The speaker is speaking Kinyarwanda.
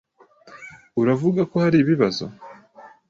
Uravuga ko hari ibibazo?